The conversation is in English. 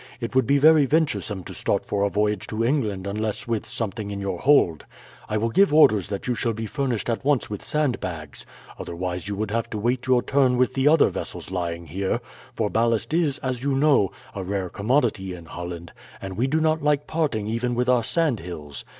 It would be very venturesome to start for a voyage to England unless with something in your hold. I will give orders that you shall be furnished at once with sandbags, otherwise you would have to wait your turn with the other vessels lying here; for ballast is, as you know, a rare commodity in Holland, and we do not like parting even with our sand hills.